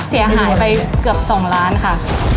เสียหายไปเกือบ๒ล้านค่ะ